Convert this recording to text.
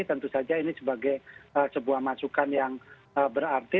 tentu saja ini sebagai sebuah masukan yang berarti